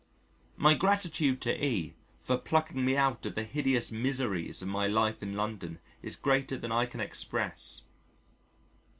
My gratitude to E for plucking me out of the hideous miseries of my life in London is greater than I can express.